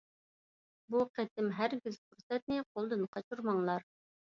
بۇ قېتىم ھەرگىز پۇرسەتنى قولدىن قاچۇرماڭلار!